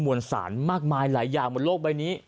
มวลสารมากมายหลายอย่างบนโลกใบนี้